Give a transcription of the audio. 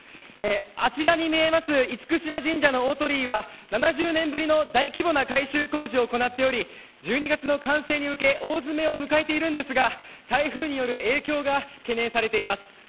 あちらに見えます厳島神社の大鳥居は７０年ぶりの大規模な改修工事を行っており１２月の完成に向け大詰めを迎えているんですが台風による影響が懸念されています。